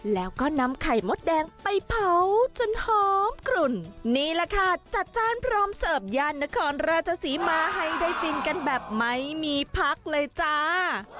แล้วก็นำไข่มดแดงไปเผาจนหอมกลุ่นนี่แหละค่ะจัดจ้านพร้อมเสิร์ฟย่านนครราชสีมาให้ได้ฟินกันแบบไม่มีพักเลยจ้า